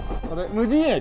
無人駅？